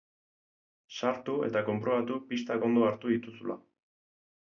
Sartu eta konprobatu pistak ondo hartu dituzula.